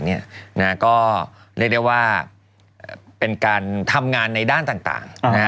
ก็เรียกได้ว่าเป็นการทำงานในด้านต่าง